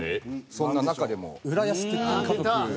そんな中でも『浦安鉄筋家族』。